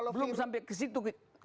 belum sampai ke situ